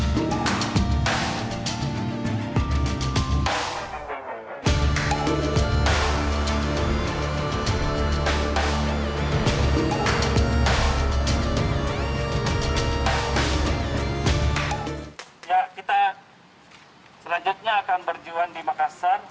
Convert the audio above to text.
selanjutnya akan berjuang di makassar